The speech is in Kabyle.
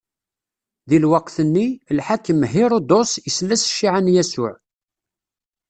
Di lweqt-nni, lḥakem Hiṛudus isla s cciɛa n Yasuɛ.